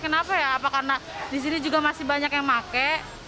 kenapa ya apa karena di sini juga masih banyak yang pakai